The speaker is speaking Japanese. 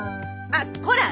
あっこら！